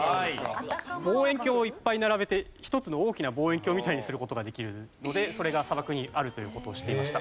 望遠鏡をいっぱい並べて一つの大きな望遠鏡みたいにする事ができるのでそれが砂漠にあるという事を知っていました。